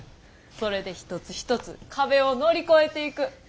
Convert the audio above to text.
それで一つ一つ壁を乗り越えていく。